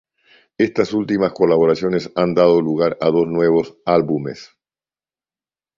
Estas últimas colaboraciones han dado lugar a dos nuevos álbumes.